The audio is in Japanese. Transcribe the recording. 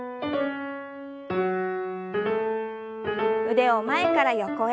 腕を前から横へ。